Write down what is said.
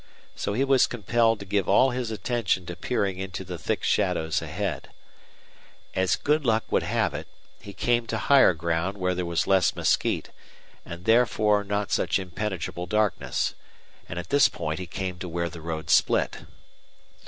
So he was compelled to give all his attention to peering into the thick shadows ahead. As good luck would have it, he came to higher ground where there was less mesquite, and therefore not such impenetrable darkness; and at this point he came to where the road split.